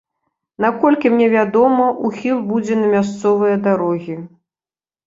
Наколькі мне вядома, ухіл будзе на мясцовыя дарогі.